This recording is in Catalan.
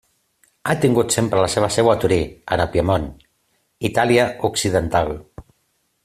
Ha tingut sempre la seva seu a Torí, en el Piemont, Itàlia occidental.